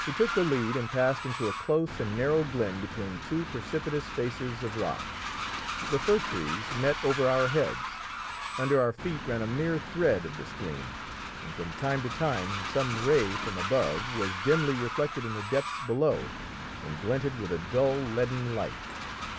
He took the lead and passed into a close and narrow glen between two precipitous faces of rock. The fir trees met over our heads; under our feet ran a mere thread of the stream, and from time to time some ray from above was dimly reflected in the depths below and glinted with a dull leaden light.